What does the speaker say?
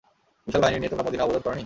বিশাল বাহিনী নিয়ে তোমরা মদীনা অবরোধ করনি?